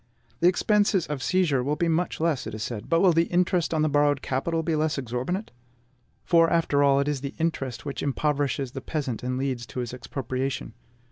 The expenses of seizure will be much less, it is said; but will the interest on the borrowed capital be less exorbitant? For, after all, it is interest which impoverishes the peasant and leads to his expropriation.